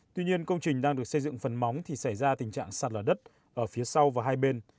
tuy nhiên công trình đang được xây dựng phần móng thì xảy ra tình trạng sạt lở đất ở phía sau và hai bên